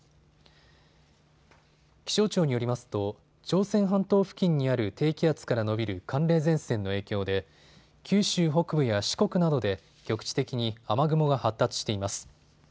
気象庁によりますと朝鮮半島付近にある低気圧から延びる寒冷前線の影響で九州北部や四国などで局地的に雨雲が発達しています。